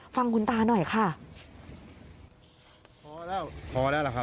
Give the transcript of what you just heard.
ฟังคุณตาหน่อยค่ะพอแล้วพอแล้วล่ะครับ